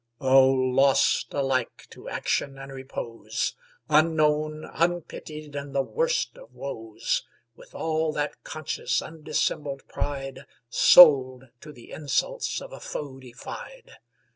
O lost, alike to action and repose! Unknown, unpitied in the worst of woes! With all that conscious, undissembled pride, Sold to the insults of a foe defied!